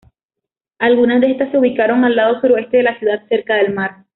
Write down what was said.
Algunas de estas, se ubicaron al lado suroeste de la ciudad cerca al mar.